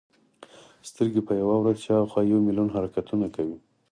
سترګې په یوه ورځ شاوخوا یو ملیون حرکتونه کوي.